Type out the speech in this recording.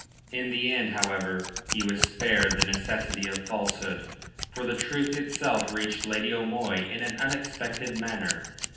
In the end, however, he was spared the necessity of falsehood. For the truth itself reached Lady O'Moy in an unexpected manner.